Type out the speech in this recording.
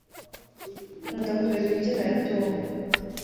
nkunda kureba imbyino ya tom